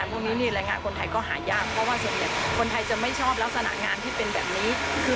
ตรงนี้มันเยอะมากเลย